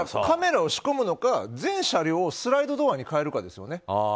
カメラを仕込むのか全車両スライドドアに変えるかですよね。